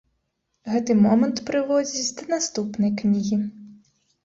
Гэты момант прыводзіць да наступнай кнігі.